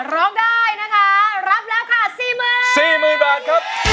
ร้องได้รับแล้วค่ะ๔๐๐๐๐บาท